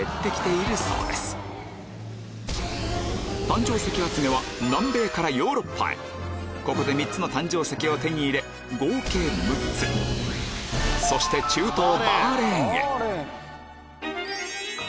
誕生石集めは南米からヨーロッパへここで３つの誕生石を手に入れ合計６つそして中東